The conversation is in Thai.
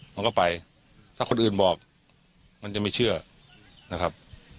มันก็ไปถ้าคนอื่นบอกมันจะไม่เชื่อนะครับ